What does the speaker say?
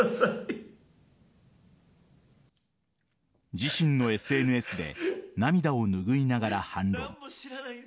自身のＳＮＳで涙をぬぐいながら反論。